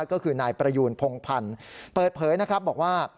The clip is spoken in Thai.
ก็คือนายประยูนพงพันธ์เปิดเผยนะครับบอกว่า